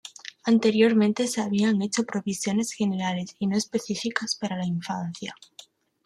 Anteriormente se habían hecho provisiones generales y no específicas para la infancia.